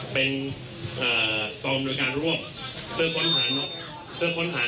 เป็นเอ่อต้องโดยการร่วมเพื่อค้นหาน้องเพื่อค้นหา